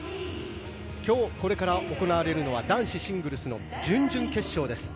今日、これから行われるのは男子シングルスの準々決勝です。